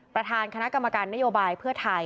ประธานคณะกรรมการนโยบายเพื่อไทย